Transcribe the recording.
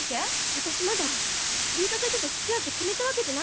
私まだ竜太先生とつきあうって決めたわけじゃないの。